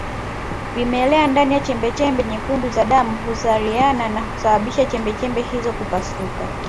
Vimelea ndani ya chembechembe nyekundu za damu huzaliana na kusababisha chembechembe hizo kupasuka